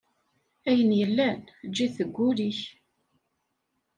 Ayen yellan eǧǧ-it deg ul-ik.